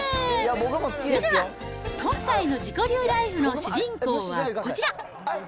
それでは今回の自己流ライフの主人公はこちら。